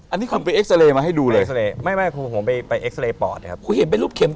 อันนี้คุณไปเอ็กซาเรย์มาให้ดูเลย